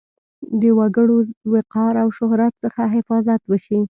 د وګړو وقار او شهرت څخه حفاظت وشي.